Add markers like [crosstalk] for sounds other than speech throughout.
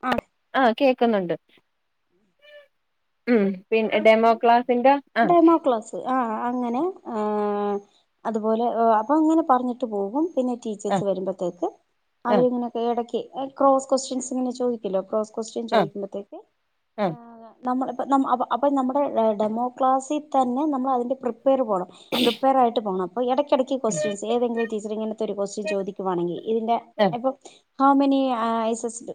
ആ ആ കേക്കുന്നുണ്ട് ഉം പി ഡെമോ അങ്ങനെ ക്ലാസ്സിന്റെ ആ ഡെമോ ക്ലാസ് ആ അങ്ങനെ ആ അതുപോലെ അപ്പം ഇങ്ങനെ പറഞ്ഞിട്ട് പോകും പിന്നെ ടീചേഴ്സ് ആഹ് വരുമ്പത്തേക്ക് ആഹ് അവരിങ്ങനെക്കെ എടക്ക് എ ക്രോസ്സ് കൊസ്ട്ട്യൻസ് ഇങ്ങനെ ചോയ്ക്കല്ലോ ക്വസ്റ്റ്യൻചോദിക്കുമ്പത്തേക്ക് ഏ ആഹ് നമ്മള് നമ്മ അവ അപ്പൊ നമ്മുടെ എ ഡെമോ ക്ലാസിൽ തന്നെ അതിന്റെ പ്രി പെയർ പോണം പ്രിപ്പയർ ആയിട്ട് പോണം പോ എടക്ക് എടക്ക് ക്യുസ്റ്റൻസ് ഏതെങ്കിലും ടീച്ചർ ഇങ്ങനത്തെ ഒരു ക്യുസ്റ്റൻ ചോദിക്കുവാണെങ്കിൽ ഇതിന്റെ ആഹ് എപ്പോ how many eyes two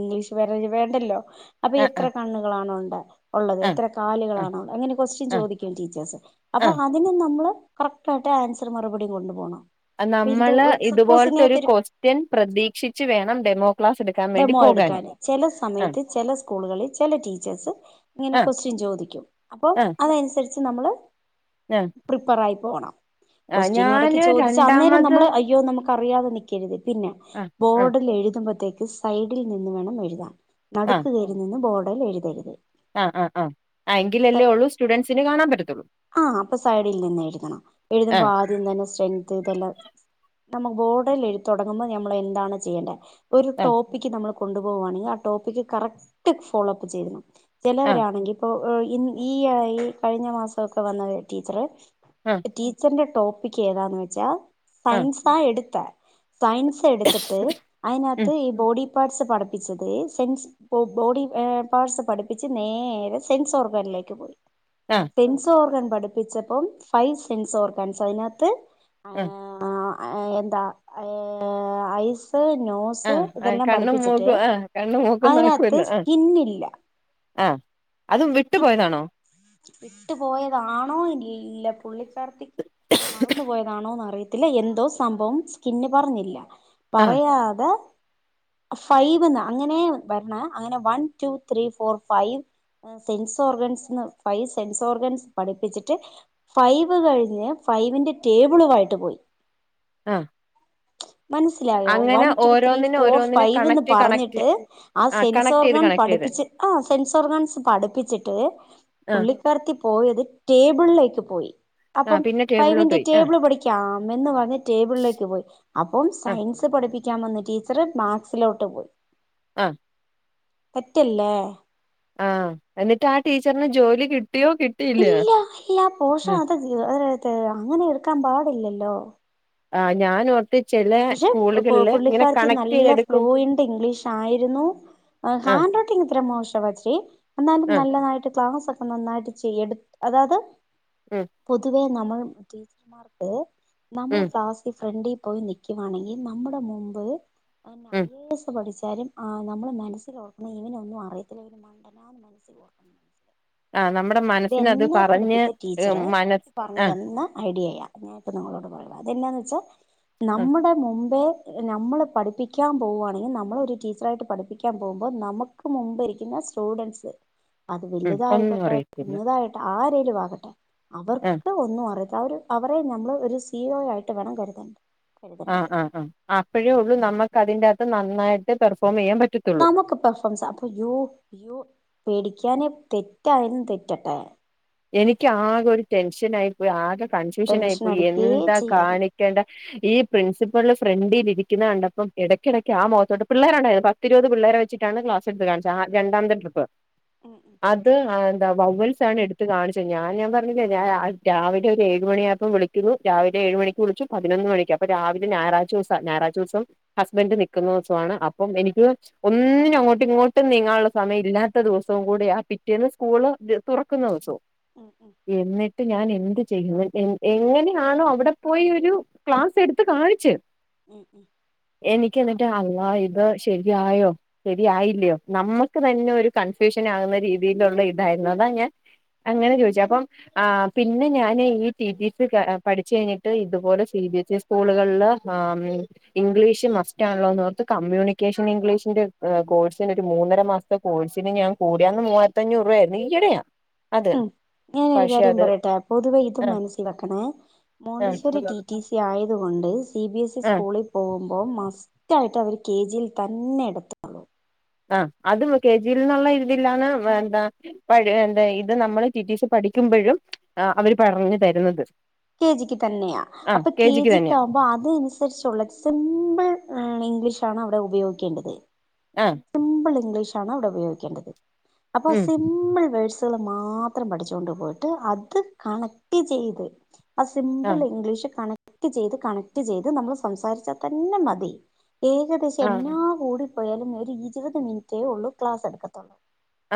English പറയൽ വേണ്ടല്ലോ അപെ ആഹ് ആഹ് എത്ര ആഹ് കണ്ണ്കളാണൊള്ള ഒള്ളത് ആഹ് എത്ര ആഹ് കാല്കളാണ് ഒള്ളത് അങ്ങനെ കൊസ്റ്റ്യൻ ആഹ് ചോദിക്കും ടീച്ചേഴ്സ്. അപൊ അതിന് നമ്മള് കറക്റ്റയിട്ടെ ആൻസർ മറുപടീ കൊണ്ട് പോണം അ നമ്മള് ഇത് പോല്ത്തൊരു കൊസ്റ്റ്യൻ പ്രതീക്ഷിച്ചു വേണം ഡെമോ ക്ലാസ് എടുക്കാൻ വേണ്ടി ഡെമോ പോകാന് എടുക്കാന് ചെല ആഹ് സമയത്ത് ചെല സ്കൂളുകളി ചെല ടീച്ചേഴ്സ് ഇങ്ങനെ ആഹ് കൊസ്റ്റ്യൻ ചോദിക്കും അപൊ ആഹ് അതനുസരിച്ച് ച് നമ്മള് ആഹ് പ്രിപേറായി പോണം ആഹ് കൊസ്റ്റ്യൻ അടക്കി ഞാന് ചോദിച്ച അന്നേരം രണ്ടാമത് നമ്മള് അയ്യോ നമുക്ക് പറിയാതെ നിക്കരുത് പിന്നെ ആഹ് ആഹ് ബോഡിൽ എഴുതെമ്പത്തേക് സൈഡിൽ നിന്ന് വേണം എഴുതാൻ. ആഹ് നടുക്ക്‌ കേറി നിന്നും ബോ ഡൽ എഴ്തരുത് ആഹ് ആഹ് ആഹ് ആഹ് തെ എങ്കിലല്ലേ ഉള്ളൂ സ്റ്റുഡൻസിന് കാണാൻ പറ്റത്തുള്ളൂ ആഹ് അപ സൈഡിൽ നിന്നഴ്തണം. എഴ്തുമ്പോ ആഹ് ആദ്യം തന്നെ സ്‌ട്രെങ്ത് ഇതെല്ലാം നമ്മ ബോഡിലെയ്തി തുടങ്ങുമ്പൊ ഞമ്മളെന്താണ് ചെയ്യണ്ടെ ഒരു ട്ടോ ആഹ് [unintelligible] നമ്മളെ കൊണ്ട് പോവാണെങ്കി ആ ടോപിക് കറക്റ്റ് ഫോളോ അപ്പ് [unintelligible] ആഹ് ചെലവരാണെങ്കി ഇപ്പൊ ഇന്ന് ഈ ആയി കഴിഞ്ഞ മസൊക്കെ വന്ന [unintelligible] ടീച്ചറെ ആഹ് [unintelligible] ടീച്ചറിന്റെ ടോപിക് ഏതാന്നു വെച്ചാ ആഹ് സയൻസാ എട്ത്ത സയൻസ്സെടുത്തിട്ട് ഉം അയിനകത് ഇ [unintelligible] പഠിപ്പിച്ചതേ സെൻസ് ബോ ബോടീ ഏഹ് പാർട്സ്സ് പഠിപ്പിച്ച് നേരെ സെൻസ് ഓർഗനിലേക്ക് പോയി ആഹ് സെൻസ് ഓർഗൻ പഠിപ്പിച്ചപ്പോം ഫൈവ് സെൻസ് ഓർഗൻസ് അതിനകത്ത് ആഹ് ആ ആഹ് എന്താ ഏഹ് ഐസ് [unintelligible] നോസ് ആഹ് ആഹ് ഇതെല്ലാം കണ്ണും പഠിപ്പിച്ചിട്ട് മൂക്കും ആഹ് കണ്ണും മൂക്കും അതിനകത്ത് നാക്കുവല്ലേ ആഹ് സ്കിന്നില്ല ആ അത് വിട്ട് പോയത് ആണോ? വിട്ട് പോയത് ആണോ നി ഇല്ല പുള്ളിക്കാരത്തിക്ക് മറന്ന് പോയത് ആണോന്ന് അറിയത്തില്ല എന്തോ സംഭവം സ്കിന്ന് പറഞ്ഞില്ല. ആഹ് പറയാതെ ഫൈവ്ന്നാ അങ്ങനെ വര്ണേ. അങ്ങനെ one two three four five, sense organs ന്ന് ഫൈവ് സെൻസ് ഓർഗൻസ് പഠിപ്പിച്ചിട്ട് ഫൈവ് കഴിഞ്ഞ് ഫൈവിന്റെ ടേബിളുവായിട്ട് പോയി. ആഹ് മനസ്സിലായോ അങ്ങനെ വൺ ടു ത്രീ ഓരോന്നിനെ ഫോർ ഓരോന്നിനെ ഫൈവിന്ന് കണക്ട് കണക്ട് പറഞ്ഞിട്ട് ആ ആഹ് സെൻസ് കണക്ട് ചെയ്ത് ഓർഗൻ കണക്ട് ചെയ്ത് പഠിപ്പിച്ച് ആഹ് സെൻസ് ഓർഗൻസ്‌ പഠിപ്പിച്ചിട്ട് ആഹ് പുള്ളിക്കാരിത്തി പോയത് ടേബിളിലേ ക്ക് പോയി ആഹ് അപ്പം പിന്നെ ടേബിളിലോട്ട് ഫൈവിന്റെ പോയി ആഹ് ടേബിൾ പഠിക്കാം എന്ന് പറഞ്ഞ് ടേബിളിലേക്ക് പോയി. അപ്പം ആഹ് സയൻസ് പഠിപ്പി ക്കാൻ വന്ന ടീച്ചർ മാത്‍സിലോട്ട് പോയി. ആഹ് തെറ്റല്ലേ? ആഹ് എന്നിട്ട് ആ ടീച്ചറിന് ജോലി കി ഇല്ല ഇല്ല പോഷാ ആഹ് അതല്ലോ ഏഹ് ഏഹ് അങ്ങനെ എടുക്കാൻ പാടില്ലല്ലോ ആഹ് ഞാനു പക്ഷേ പുള്ളിക്കാരിത്തി കണക്ട് നല്ല ചെയ്തെടുക്കും ഫ്ലുഎന്റെ ഇംഗ്ലീഷ് ആയിരുന്നു ആഹ് ഹാൻഡ്‌റൈറ്റിംഗ് ഇത്തിരി മോശ [unintelligible] എന്നാലും ആഹ് നല്ലത് ആയിട്ട് ക്ലാസ്സ് ഒക്കെ നന്നായിട്ട് ചെയ് എടു അതത് ഉം പൊതുവെ നമ്മൾ ടീച്ചമാർക്ക് നമ്മൾ ഉം ക്ലാസ്സി ഫ്രണ്ടിൽ പോയി നി ക്കുവാണെങ്കിൽ നമ്മടെ മുമ്പ് ഉം [unintelligible] ആഹ് നമ്മൾ മനസ്സിൽ ഓർക്കണം ഇവൻ ഒന്നും അറിയത്തില്ല ഇവൻ മണ്ഡൻ ആണ് മനസ്സിൽ ഓർക്കണം ആഹ് നമ്മുടെ മനസ്സിനത് എന്നെ പറഞ്ഞ് പഠിപ്പിച്ച ഏ, ടീച്ചർ മനസ് പറഞ്ഞ് ആഹ് തന്ന ഐഡിയയ അത് ഞാൻ ഇപ്പോ നിങ്ങളോട് പറയുവാ അത് എന്നാന്നു വെച്ച ആഹ് നമ്മടെ മുമ്പേ നമ്മൾ പഠിപ്പിക്കാൻ പോവുവാണെങ്കിൽ നമ്മൾ ഒരു ടീച്ചർ ആയിട്ട് പഠിപ്പിക്കാൻ പോവുമ്പോ നമുക്ക് മുമ്പ് ഇരിക്കുന്ന സ്റ്റുഡന്റസ് അത് ഉം വലുത് ഒന്നും ആയിക്കോട്ടെ അറിയത്തില്ല കുഞ്ഞിത് ആട്ടേ ആര് രുവാകട്ടേ ആഹ് അവർക്ക് ഒന്നു അറി [unintelligible] അവരെ നമ്മള് ഒരു സി ഇ ഒ ആയിട്ട് വേണം കരുതാൻ ആഹ് ആഹ് ആ അപ്പഴേ ഉള്ളൂ നമ്മക്ക് അതിന്റെ നന്നായിട്ട് പെർഫോമെയ്യാൻ [unintelligible] തെറ്റായാലും തെറ്റട്ടെ എനിക്ക് ആകെ ഒരു ടെൻഷൻ ആയിപ്പോയി ആകെ കൺഫ്യൂഷൻ ആയി ടെൻഷൻ പ്പോയി അടിക്കേ എന്താ ചെയ്യരുത് കാണിക്കേണ്ട്‌ ഈ പ്രിൻസിപ്പൾ ഫ്രണ്ടിലിരിക്കുന്നത് കണ്ടപ്പോ ഇടക്കിടക്ക് ആ മൊഖത്തോട്ട് [unintelligible] പത്തിരുപത് പിള്ളേരെ വെച്ചിട്ടാണ് ക്ലാസ് എടുത്ത് കാണിച്ചത് രണ്ടാമത്തെ ട്രിപ്പ്‌ ഉം ഉം അത് [unintelligible] വവൽസാണ് എടുത്ത എടുത്ത് കാണിച്ചത്. ഞാൻ പറഞ്ഞിലെ രാവിലെ ഒരു ഏഴ് മണിയാപ്പൊ വിളിക്കുന്നു രാവിലെ ഏഴ് മണിക്ക് വിളിച്ചു പതിനൊന്ന് മണിക്ക്. അപ്പൊ രാവിലെ ഞായറാഴ്ച ദിവസ. ഞായറാഴ്ച ദിവസം ഹസ്ബൻഡ് നിക്കുന്ന ദിവസം ആണ്. അപ്പൊ എനിക്ക് ഒന്നിനും അങ്ങോട്ടും ഇങ്ങോട്ടും നീങ്ങാനുള്ള സമയല്ലാത്ത ദിവസം കൂടിയ. പിറ്റേന്ന് സ്കൂള് തുറക്കുന്ന ഉം ഉം [inaudible] ഞാന് എന്ത് ചെയ്യും എങ്ങനെയാണോ അവിടെപ്പോയി ഒരു ക്ലാസ്സ്‌ എടുത്ത് കാണിച്ച് ഉം ഉം എനിക്കെന്നിട്ട് അല്ലാഹ് ഇത് ശരിയായോ ശരിയായില്ലിയോ നമ്മൾക്ക് തന്നെ ഒരു കൺഫ്യൂഷൻ ആകുന്ന രീതിയിലുള്ള ഇതായിരുന്നു. അതാ ഞാൻ അങ്ങനെ ചോയ്ച്ചു, അപ്പൊ ആഹ് പിന്നെ ഞാൻ ഈ ടി ടി സി പഠിച്ച് കഴിഞ്ഞിട്ട് ഇതുപോലെ സി ബി എസ് ഇ സ്കൂളുകളില് ആ ഇംഗ്ലീഷ് മസ്റ്റാണല്ലോന്നോർത്ത് കമ്മ്യൂണിക്കേഷൻ ഇംഗ്ലീഷിന്റെ ആഹ് കോഴ്സിനൊരു മൂന്നര മാസത്തെ കോഴ്സിന് ഞാൻ കൂടി, അന്ന് മുവ്വായിരത്തി അഞ്ഞൂറ് രൂപയായിരുന്നു, ഈയിടെയാ അത് ഉം ഞാനൊരു പക്ഷെ കാര്യം അത് പറയട്ടെ പൊതുവെ ഇത് ആ മനസ്സിലാക്കണേ ആ മോണ്ടിസോറി ടി ടി സി ആയതു കൊണ്ട് സി ബി എസ് ഇ ആ സ്കൂളിൽ പോകുമ്പോ മസ്റ്റ് ആയിട്ട് അവര് കെ ജിയിൽ തന്നെ ഇടത്തൊള്ളൂ ആഹ് അത് കെ ജി യിൽ നിന്നുള്ള ഒരിതിലാണ് എന്താ ഇത് നമ്മള് ടി ടി സി പഠിക്കുമ്പഴും അവര് പറഞ്ഞ് തരുന്നത് കെ ജിക്ക് തന്നെയാ. ആഹ് അപ്പൊ കെ ജിക്ക് ജി ക്ക്‌ തന്നെയാ ആകുമ്പോ അതനുസരിച്ചുള്ള സിമ്പിൾ ഇംഗ്ലീ--‌ ഇംഗ്ലീഷാണ് അവടെ ഉപയോഗിക്കേണ്ടത് ആഹ് [unintelligible] ഇംഗ്ലീഷാണ് അവിടെ ഉപയോഗിക്കേണ്ടത് അപ്പൊ ഉം സിമ്പിൾ വേഡ്സ് കള് മാത്രം പഠിച്ചോണ്ട് പോയിട്ട് അത് കണക്ട് ചെയ്ത് ആ സിമ്പിൾ ആഹ് ഇംഗ്ലീഷ് കണക് കണക്ട് ചെയ്ത് കണക്ട് ചെയ്ത് നമ്മള് സംസാരിച്ചാ തന്നെ മതി ഏകദേശം ആഹ് എന്നാ വോഡ് പോയാലും നേരി ഇരുപത് മിനുറ്റേ ഉള്ളൂ ക്ലാസ്സെടുക്കത്തുള്ളൂ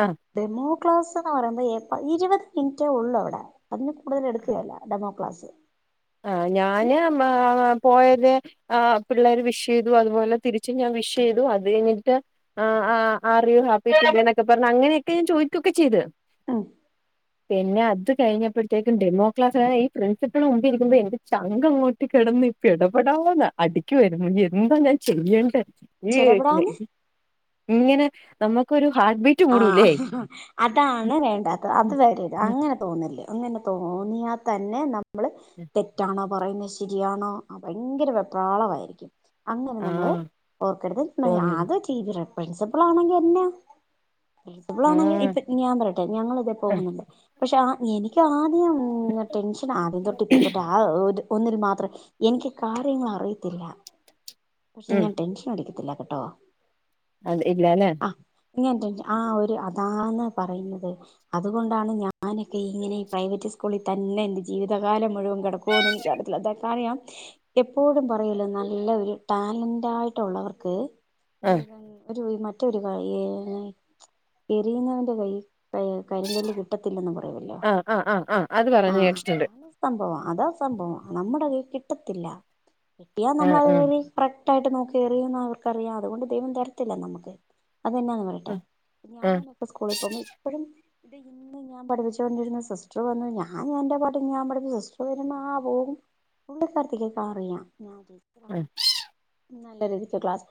ആഹ് ഡെമോ ക്ലാസ്സ്‌ എന്ന് പറയുമ്പോ എ പ ഇരുപത് മിനിറ്റേ ഉള്ളൂ അവടെ അതിൽ കൂടുതൽ എടുക്കുകേല ഡെമോ ക്ലാസ്സ്‌ ആഹ് ഞാന് മ് പോയത് ആഹ് പിള്ളേര് വിഷ് ചെയ്തു അത് പോലെ തിരിച്ചു ഞാൻ വിഷ് ചെയ്തു അത് കഴിഞ്ഞിട്ട് ആ ആ ആർ യു ഹാപ്പി ടുഡേ ന്നൊക്കെ പറഞ്ഞ് അങ്ങനെയൊക്കെ ഞാന് ചോയ്ക്കൊക്കെ ചെയ്തു ആഹ് പിന്നേ അത് കഴിഞ്ഞപ്പത്തേക്കും ഡെമോ ക്ലാസുകാരെ ഈ പ്രിൻസിപ്പൾന്റെ മുമ്പിൽ ഇരിക്കുമ്പോ എനിക്ക് ചങ്ക് അങ്ങോട്ട് കിടന്നിട്ട് പട പടാന്ന് അടിക്കുവാരുന്നു എന്താ ഞാന് ചെയ്യേണ്ട് ചെടപെടാന്ന് [unintelligible] ഇങ്ങനെ നമ്മക്കൊ-രു ആ ഹ ഹ അതാണ്‌ വേണ്ടാത്ത അത് വെരര്ത് അങ്ങനെ തോന്നല്ല് അങ്ങനെ തോന്നിയാതന്നെ നമ് മള് തെറ്റ പയ്ന്നശര്യാണൊ പയ്ങ്കര വെപ്രാളവായിരിക്കും അങ്ങനെ നമ്മള് ആഹ് ഓർക്കര്ത് തോന്നുന്നു [unintelligible] പ്രിൻസിപ്പളാണെങ്കി വര്ന്നേ ഇവളാണെങ്കിൽ ആഹ് ഇപ്പ ഞാൻ പറയട്ടെ ഞങ്ങളിതേ ആഹ് പോകുന്നുണ്ട്, പക്ഷെ ആ എനിക് ആ ഉം ടെൻഷൻ ആദ്യം തൊട്ട് ഇപ്പ തൊട്ട് ആ ഒരു ഒന്നിൽ മാത്രം എനിക്ക് കാര്യങ്ങൾ അറിയത്തില്ല. പക്ഷെ ഉം ഞാൻ ടെൻഷനടിക്കത്തില്ല. കേട്ടോ. അത് ഇല്ല ല്ലേ. ഇങ്ങൻ ടെൻഷ ആ ഒരു അതാന്ന് പറയുന്നത്. അതുകൊണ്ടാണ് ഞാനൊക്കെ ഇങ്ങനെ പ്രൈവറ്റ് സ്കൂളിൽ തന്നെ ന്റെ ജീവിതകാലം മുഴുവൻ കിടക്കോന്ന് എനിക്കറിയത്തില്ല. അതൊക്കാണ് ഞാൻ എപ്പോഴും പറയല്ലോ നല്ല ഒരു ടാലന്റായിട്ടുള്ളവർക്ക് ആഹ് ഇവൻ ഒരു മ മറ്റൊരു കൈ എറിയുന്നവന്റെ കൈയിൽ ക കരിങ്കല്ല് കിട്ടത്തില്ലെന്നും പറ ആഹ് ആഹ് ആഹ് ആ അത് പറഞ്ഞ് കേട്ടിട്ടുണ്ട്. അതാണ് സംഭവം അതാ സംഭവം. നമ്മുടെ കയ്യ് കിട്ടത്തില്ല കിട്ടിയ നമ്മള ആഹ് ഒ ആഹ് ഒ രു കറക്റ്റായിട്ട് നോക്കി എറിയന്ന് അവർക്കറിയാം. അതുകൊണ്ട് ദൈവം തരത്തില്ല നമ്മക്ക്. അതെന്നാന്ന് പറയട്ടെ, ആഹ് ആഹ് ഞാനൊക്കെ സ്കൂളിൽ പോകുമ്പോ ഇപ്പഴും ഇത് ഇന്ന് ഞാൻ പഠിപ്പിച്ചു കൊണ്ടിരുന്ന സിസ്റ്റർ വന്നു. ഞാൻ എൻ്റെ പാട്ടിൽ ഞാൻ പഠിപ്പിച്ച സിസ്റ്റർ വരുന്ന ആ പോകും ഉള്ള [unintelligible] അറിയാം ആഹ് ആ [inaudible] നല്ല രീതിക്ക ക്ലാസ്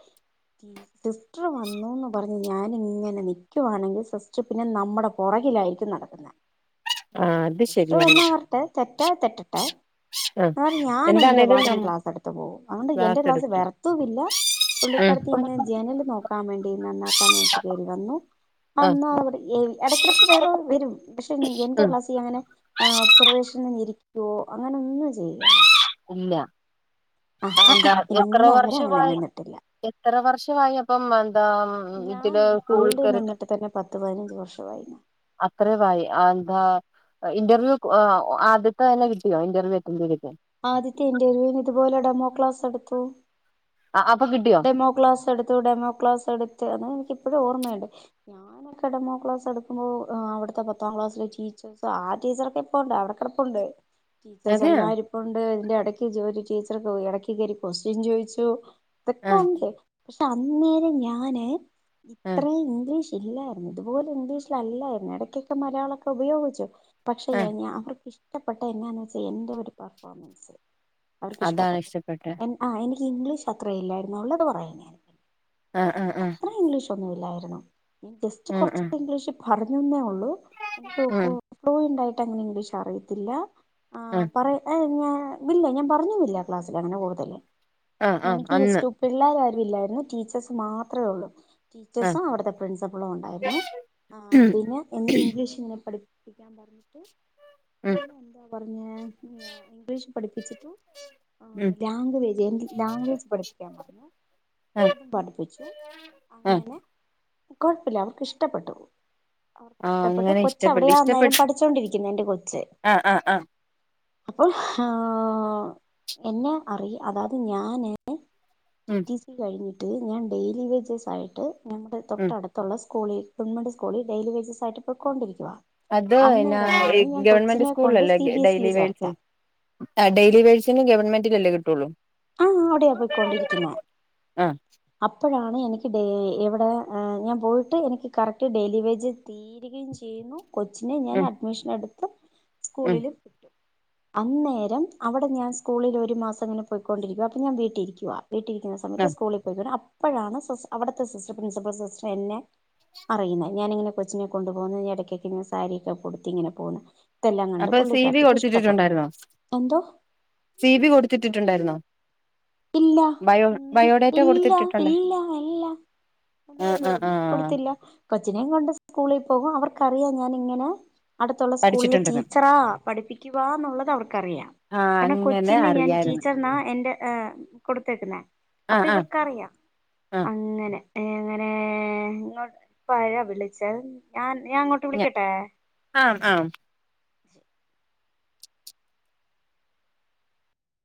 സിസ്റ്റർ വന്നുന്ന് പറഞ്ഞ് ഞാനിങ്ങനെ നിക്കുവാണെങ്കിൽ സിസ്റ്റർ പിന്നെ നമ്മുടെ പുറകിലായിരിക്കും നടക്കുന്നേ. ആ, അത് ശരിയാണ് ലേ റ്റാ തെറ്റട്ടെ എ ഞാനന്റെ എന്താണേലും ഭാഗം നം ക്ലാസടുത്ത് പോകും. അതോണ്ട് എന്റെ ക്ലാസ് ക്ലാസി എടുത്ത് വേർത്ത് ഒന്നും ഇല്ല ഉം പുള്ളിക്കരിത്തി ഇന്ന് ജനൽ നോക്കാൻ വേണ്ടി നന്നാക്കാൻ വേണ്ടി കേറി വന്നു ആഹ് വന്നു ഇടക്കിടക്ക് വേറെ വരും പക്ഷെ എൻ്റെ ഉം കാസ്സിൽ ഒബ്സർവേഷൻ ഇരി ഓ അങ്ങനൊന്നും ചെയ്യല്ല ഇല്ല. അതെന്ത എത്ര ഇന്ന് അവരെ അങ്ങനെ വർഷമായി നിന്നിട്ടില്ല എത്ര വർഷമായി അപ്പം എന്താ ഞാൻ ഇതിൽ ഈ സ്കൂൾ ഫീൽഡിൽ കേറിട്ട് നിന്നിട്ട് തന്നെ പത്ത് പതിനഞ്ച് വർഷമായി അത്രായി എന്താ ഇന്റർവ്യു ആ അധ്യത്തെ തന്നെ കിട്ടിയോ ഇന്റർവ്യു അൻ്റഡ് ചെയ്തിട്ട് ആദ്യത്തെ ഇന്റർവ്യൂന് ഇതുപോലെ ഡെമോ ക്ലാസ്സ്‌ എടുത്തു അപ്പൊ കിട്ടിയോ ഡെമോ ക്ലാസ്സ് എടുത്തു ഡെമോ ക്ലാസ്സ് എടുത്ത് അത് ക ഇപ്പഴും ഓർമയുണ്ട്, ഞാനൊക്കെ ഡെമോ ക്ലാസ്സ് എടുക്കുമ്പോ ആഹ് അവിടത്തെ പത്താം ക്ലാസ്സിലെ ടീച്ചേഴ്സ് ആ ടീച്ചറൊക്കെ ഇപ്പോ അവിടെ കെടപ്പുണ്ട് ടീച്ചേഴ്സ് അതെയ എല്ലാവരും ഇപ്പോ ഇണ്ട് ഇതിൻ്റെ ഇടക്ക് [unintelligible] ടീച്ചർ ഇടക്ക് കേറി ക്യസ്സ്ടിയൻ ചോയ്ച്ചു അതൊക്ക ആഹ് ഒണ്ട് പക്ഷെ അന്നേരം ഞാന് ആഹ് ഇത്രേം ഇംഗ്ലീഷ് ഇല്ല ഇതുപോലെ ഇംഗ്ലീഷ് അല്ലായിരുന്നു എടക്കൊക്കെ മലയാളൊക്കെ ഉപയോഗിച്ചു പക്ഷെ എ ആഹ് ഞാ അവർക്ക് ഇഷ് ഇഷ്ട്ടപെട്ട എന്നാന്ന് വച്ചാ എന്റെ ഒരു പെർഫോമൻസ് അവർക്ക് അതാണ് ഇഷ്ടപ്പെട്ടു ഇഷ്ടപ്പെട്ടെ എൻ ആ എനിക്ക് ദി ഇംഗ്ലീഷാ. ത്രയില്ലായ്രുന്നു. അവളത് പറയുന്നേന്ന്. ആ ആഹ് ആഹ് ആഹ് എനിക്കത്രേം ഇംഗ്ലീഷ് ഒന്നും ഇല്ലായിരുന്നു. [unintelligible] ഞാൻ ജസ്റ്റ്‌ ഉം ഉം കൊറച്ചൊക്കെ ഇംഗ്ലീഷ് പറഞ്ഞൊന്നെ ഒൾ ഒ ഒ ഉം ഒനിണ്ടാ ആയിട്ട് ഇംഗ്ലീഷ് അറിയത്തില്ല ആ ഉം പറയ് എം ഞാൻ ഇല്ല ഞാൻ പറഞ്ഞൊന്നുല്ല ക്ലാസ്സിലങ്ങനെ കൂടുതല് ആഹ് ആഹ് എനിക്ക് ഈ അന്ന് സ് പിള്ളാരാരും ഇല്ലായിരുന്നു ടീച്ചേർസ് മാത്രേ ഉള്ളു ആഹ് ടീച്ചേഴ്സും അവിടുത്തെ പ്രിൻസിപ്പൽ ഉണ്ടായിരുന്നു ആ ഉം ഇന്ന് ഇംഗ്ലീഷ് പടി ഞാൻ പറഞ്ഞിട്ട് ഉം ഇംഗ്ലീഷ് പഠിപ്പിച്ചിട്ട് ഉം ഗ്രാമറെഴുതി ഗ്രാമറ് ആഹ് അതും പഠിപ്പിച്ചു ആഹ് അങ്ങനെ കൊഴപ്പില്ല അവർക്ക് ഇഷ്ടപ്പെട്ടു ആഹ് ഇഷ്ടപ്പെട്ടു അങ്ങനെ കൊച്ച് ഇഷ്ടപ്പെട്ട് അവിടെയാ അന്നേരം ഇഷ്ടപ്പെട്ട് പടിച്ചോണ്ടിരിക്കുന്നേ എൻ്റെ കൊച്ചേ ആഹ് ആഹ് ആഹ് അപ്പൊ എന്നെ അറി അതാതു ഞാന് ടി ഉം ടി സി കഴിഞ്ഞു ഞാൻ ഡെയിലി വൈജസ് ആയിട്ട് ഞമ്മടെ ഉം തൊട്ടടുത്തൊള്ളെ സ് [unintelligible] സ്കൂളി ഡെയിലി വെജസായിട്ട് പോക്കൊണ്ടിരി അത് എന്നാ ഏ ഗവൺമന്റെ കൊച്ചിനെ സ്കൂളിൽ കൊണ്ട് അല്ലേ C B S E daily wage. ചേർത്തെ ആ ഡെയിലി വെജസിന് ഗവൺമെ ന്റിലല്ലേ കിട്ട്ഒള്ളൂ ആ ആ അവിടെയാ പോയ്‌ക്കൊണ്ടിരിക്ക്ന്നെ, ആ അപ്പഴാണ് എനിക്ക് ടെ എവിടെ ഏ ഞാൻ പോയിട്ട് എനിക്ക് കറക്ട് ഡെയിലി വെജ് തീര്കയും ചെയ്യുന്നു. കൊച്ചിനെ ഞാൻ ഉം അഡ്മിഷൻ എടു ഉം സ്കൂളില് വിട്ടു അന്നേരം അവ്ടെ ഞാൻ സ്കൂളില് ഒര് മാസം ഇങ്ങനെ പോയ്‌കൊണ്ടിരിക്കുവാ അപ്പം ഞാൻ വീട്ടിയിരിക്കുവാ വീട്ടിയിരിക്കുന്ന ആ സമയത്ത് സ്കൂളിൽ പോയ്കൊ അപ്പ് അപ്പഴാണ് സിസ് അവിട്ത്തെ സിസ്റ്റർ പ്രിൻസിപ്പൾ സിസ്റ്റർന് എന്നെ അറിയ്ന്നെ, ഞാൻഇങ്ങനെ കൊച്ചിനെ കൊണ്ട് പോവുന്നതിന് ഇടക്ക്ക്കെ ഇങ്ങനെ സാരിക്കെ ഉടുത്ത് ഇങ്ങനെ പൊന്നെ അപ്പൊ സി ഡി കൊടുത്തിട്ട്ട്ട്ണ്ടായിരുന്നോ എന്തോ സി ഡി കൊടുത്തിട്ട്ട്ട്ണ്ടായിരുന്നോ ഇല്ല ബയോഡേറ്റ ഇല്ല കൊടുത്തിട്ടിട്ടുണ്ട് ഇല്ല ഇല്ല ആ ആ ആ കൊടുത്തില്ല കൊച്ചിനേം കൊണ്ട് സ്കൂളി പോകും അവർ ക്കറിയാം ഞാൻ ഇങ്ങനെ അടുത്തുള്ള സ്കൂളില് പഠിച്ചിട്ടുണ്ടെന്ന് ടീച്ചറാ പഠിപ്പിക്കുവാ ന്നൊള്ളത് അവർക്കറിയാം ആ കാരണം അങ്ങനെ കൊച്ചിന്റെ ഞാൻ അറിയായിരുന്നു ടീച്ചറിനാ എന്റെ ആഹ് കൊടുത്തേക്കുന്നെ ആ അപ്പം ആ ഇവർക്കറിയാം ആ അങ്ങനെ ഏ അങ്ങനെ ഇങ്ങോട്ട് ഇപ്പ ആരാ വിളിച്ചത് ഞാൻ ഞാൻ അങ്ങോട്ട്‌ വിളിക്കട്ടെ ആ ആ